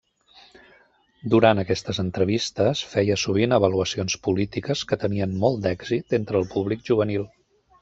Durant aquestes entrevistes, feia sovint avaluacions polítiques que tenien molt d'èxit entre el públic juvenil.